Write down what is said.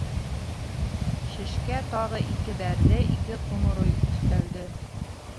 Шешкә тағы ике бәрҙе, ике ҡоморой өҫтәлде.